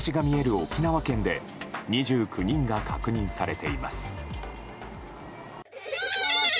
沖縄県で２９人が確認されています。